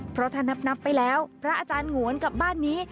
เพราะถ้านับไปแล้วพระอาจารย์หงวนกับบ้านนี้